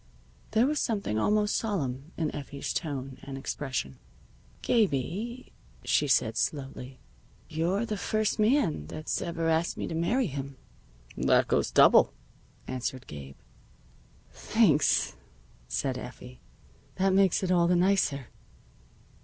There was something almost solemn in Effie's tone and expression. "Gabie," she said slowly, "you're the first man that's ever asked me to marry him." "That goes double," answered Gabe. "Thanks," said Effie. "That makes it all the nicer."